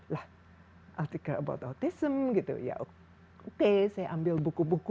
lah artikel about autism gitu ya oke saya ambil buku buku